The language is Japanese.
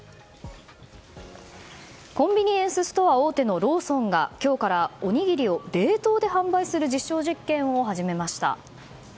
コンビニエンスストア大手のローソンが今日からおにぎりを冷凍で販売する実証実験を始めました。